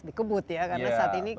dikebut ya karena saat ini